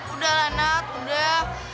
udah lah nat udah